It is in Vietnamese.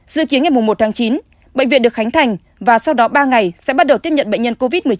dự kiến ngày một tháng chín bệnh viện được khánh thành và sau đó ba ngày sẽ bắt đầu tiếp nhận bệnh nhân covid một mươi chín